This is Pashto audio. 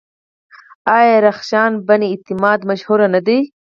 آیا رخشان بني اعتماد مشهوره نه ده؟